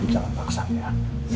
jangan paksa ya